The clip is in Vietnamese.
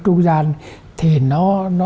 trung gian thì nó